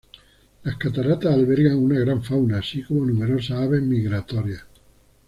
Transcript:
Las cataratas albergan una gran fauna, así como numerosas aves migratorias.